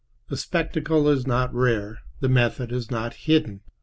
The spectacle is not rare; the method is not hidden.